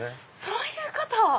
そういうこと⁉